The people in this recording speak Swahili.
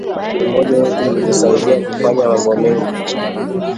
Umoja wetu ulitusaidia kufanya mambo mengi